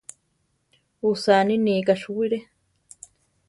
Usaninika suwire.